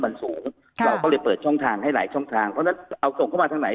มันสูงเราก็เลยเปิดช่องทางให้หลายช่องทางเพราะฉะนั้นเอาส่งเข้ามาทางไหน